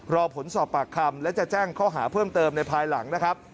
รอผลสอบปากคำและจะแจ้งข้อหาเพิ่มเติมในภายหลังนะครับ